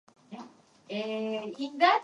There aren't many Jedis left.